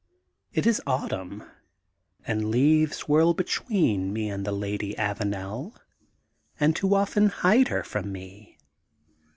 It is autumn and leaves whirl between me and the Lady Avanel and too often hide her from me.